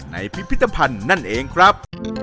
พิพิธภัณฑ์นั่นเองครับ